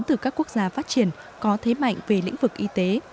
từ các quốc gia phát triển có thế mạnh về lĩnh vực y tế